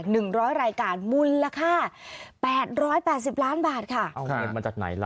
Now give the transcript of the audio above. หนึ่งร้อยรายการมูลค่าแปดร้อยแปดสิบล้านบาทค่ะเอาเงินมาจากไหนล่ะ